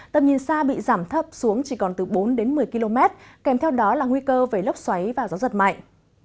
tầm nhìn xa bị giảm thấp xuống chỉ còn từ bốn đến một mươi km kèm theo đó là nguy cơ về lốc xoáy và gió giật mạnh